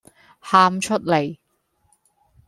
喊出黎